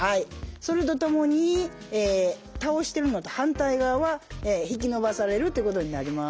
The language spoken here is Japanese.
それとともに倒してるのと反対側は引き伸ばされるっていうことになります。